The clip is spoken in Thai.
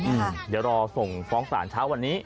อืมเดี๋ยวรอส่งฟ้องศาลเช้าวันนี้